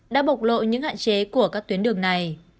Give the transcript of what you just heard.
đã bộc lộ những hạn chế của các tuyến đường này